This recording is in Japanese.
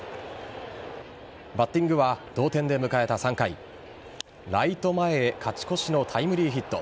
バッティングは同点で迎えた３回ライト前へ勝ち越しのタイムリーヒット。